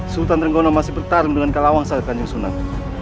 sultan trenggono masih bertarung dengan kelawang sait kanjeng sunan